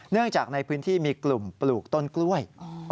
จากในพื้นที่มีกลุ่มปลูกต้นกล้วย